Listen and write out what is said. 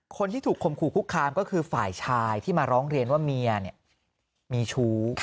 คนที่ถูกคมขู่คุกคามก็คือฝ่ายชายที่มาร้องเรียนว่าเมียมีชู้